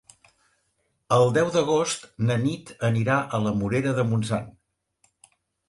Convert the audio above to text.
El deu d'agost na Nit anirà a la Morera de Montsant.